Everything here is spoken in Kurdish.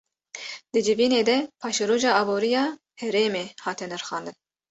Di civînê de paşeroja aboriya herêmê hate nirxandin